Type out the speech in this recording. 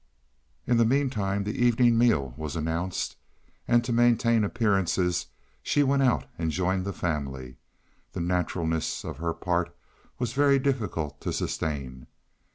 In the mean time the evening meal was announced, and, to maintain appearances, she went out and joined the family; the naturalness of her part was very difficult to sustain.